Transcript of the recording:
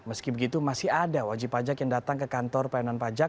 meski begitu masih ada wajib pajak yang datang ke kantor pelayanan pajak